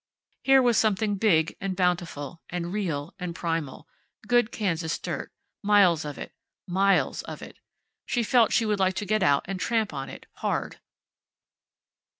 Here was something big, and bountiful, and real, and primal. Good Kansas dirt. Miles of it. Miles of it. She felt she would like to get out and tramp on it, hard.